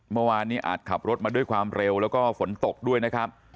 เมื่อวานนี้อาจขับรถมาด้วยความเร็วแล้วก็ฝนตกด้วยนะครับ